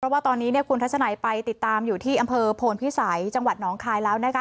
ว่าตอนนี้คุณทัศนัยไปติดตามอยู่ที่อำเภอโพนพิสัยจังหวัดหนองคายแล้วนะคะ